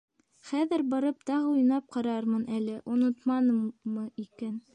-Хәҙер барып тағы уйнап ҡарармын әле, онотманыммы икән.